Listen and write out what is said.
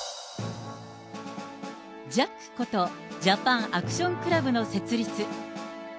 ＪＡＣこと、ジャパン・アクション・クラブの設立。